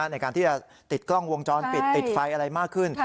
ในการที่จะติดกล้องวงจรปิดติดไฟอะไรมากขึ้น